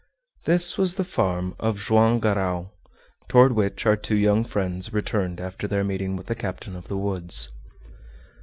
This was the farm of Joam Garral, toward which our two young friends returned after their meeting with the captain of the woods.